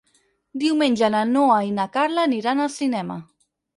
Diumenge na Noa i na Carla aniran al cinema.